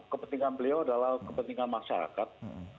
kepentingan beliau adalah kepentingan masyarakat